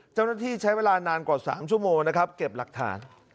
เจ้าหน้าที่ใช้เวลานานกว่า๓ชั่วโมงนะครับเก็บหลักฐาน